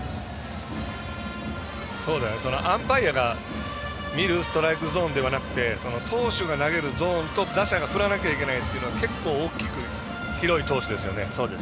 アンパイアが見るストライクゾーンではなくて投手が投げるゾーンと打者が振らなければいけないというのは結構大きく広い投手ですよね。